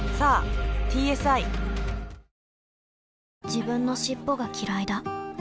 自分の尻尾がきらいだ